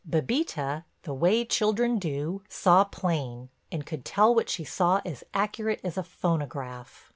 Bébita, the way children do, saw plain and could tell what she saw as accurate as a phonograph.